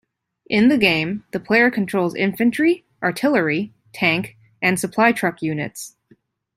In the game, the player controls infantry, artillery, tank, and supply-truck units.